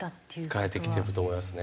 疲れてきてると思いますね。